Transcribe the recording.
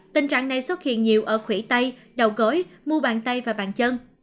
tình trạng này xuất hiện nhiều ở khủy tay đầu gối mua bàn tay và bàn chân